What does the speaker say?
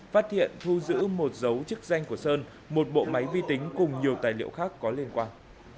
phát hiện thu giữ một dấu chức danh của sơn một bộ máy vi tính cùng nhiều tài liệu khác có liên quan